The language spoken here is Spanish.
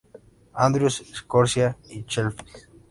Andrews, Escocia, y Sheffield.